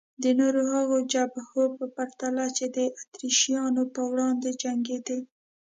د نورو هغو جبهو په پرتله چې د اتریشیانو په وړاندې جنګېدې.